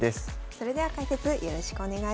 それでは解説よろしくお願いします。